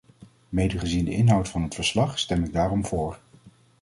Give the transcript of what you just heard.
Mede gezien de inhoud van het verslag stem ik daarom voor.